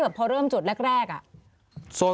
แรกพอเริ่มจนแรกส่วน